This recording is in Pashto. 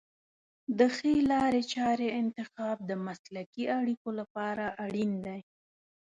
د ښې لارې چارې انتخاب د مسلکي اړیکو لپاره اړین دی.